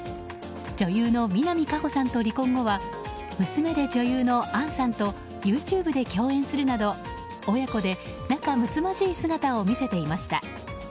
女優の南果歩さんと離婚後は娘で女優の杏さんとＹｏｕＴｕｂｅで共演するなど親子で仲むつまじい姿を見せていました。